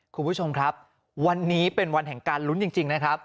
คุณผู้ชมครับวันนี้เป็นวันแห่งการลุ้นจริงนะครับ